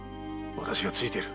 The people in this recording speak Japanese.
私がついている。